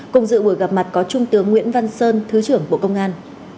cùng dự buổi gặp mặt có trung tướng nguyễn văn sơn thứ trưởng bộ công an